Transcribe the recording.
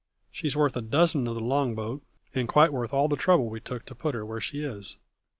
She's worth a dozen of the long boat and quite worth all the trouble we've took to put her where she is."